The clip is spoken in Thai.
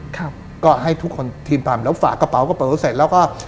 ครับก็ให้ทุกคนทีมทำแล้วฝากกระเป๋ากระเป๋าเสร็จแล้วก็